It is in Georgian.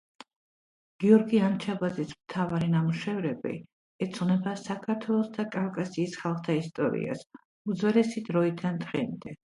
გიორგი ანჩაბაძის მთავარი ნამუშევრები ეძღვნება საქართველოს და კავკასიის ხალხთა ისტორიას, უძველესი დროიდან დღემდე.